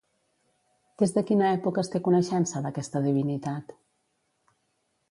Des de quina època es té coneixença d'aquesta divinitat?